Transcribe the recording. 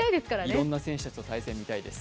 いろんな選手たちの対戦を見たいです。